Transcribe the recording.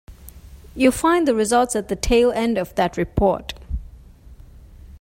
You'll find the results at the tail end of that report.